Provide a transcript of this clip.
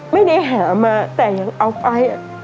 ไม่ได้หามาแต่ยังเอาไป